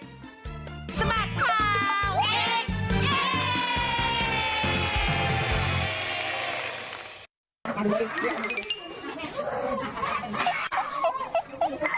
สมัครข่าวเด็ก